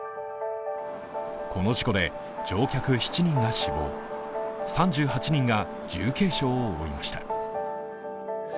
この事故で乗客７人が死亡、３８人が重軽傷を負いました。